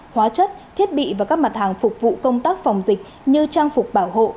hóa chất thiết bị và các mặt hàng phục vụ công tác phòng dịch như trang phục bảo hộ